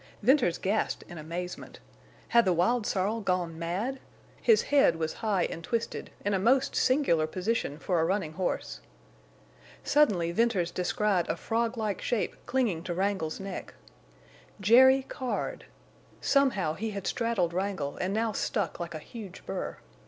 Venters gasped in amazement. Had the wild sorrel gone mad? His head was high and twisted, in a most singular position for a running horse. Suddenly Venters descried a frog like shape clinging to Wrangle's neck. Jerry Card! Somehow he had straddled Wrangle and now stuck like a huge burr.